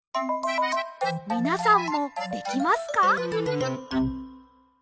みなさんもできますか？